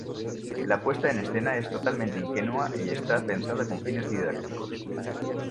La puesta en escena es totalmente ingenua y está pensada con fines didácticos.